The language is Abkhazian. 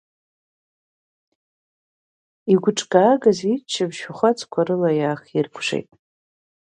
Игәҿкаагаз иччаԥшь шәахәацқәа рыла иаахиркәшеит.